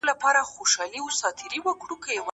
زه له سهاره کتابونه لولم!!